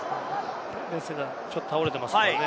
選手がちょっと倒れていますからね。